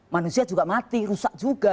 manusia juga mati rusak juga